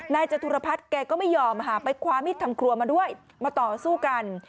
จตุรพัฒน์แกก็ไม่ยอมไปคว้ามิดทำครัวมาด้วยมาต่อสู้กัน